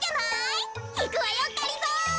いくわよがりぞー。